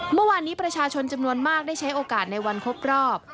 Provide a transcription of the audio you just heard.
เมื่อวานนี้ประชาชนจำนวนมากได้ใช้โอกาสในวันครบรอบ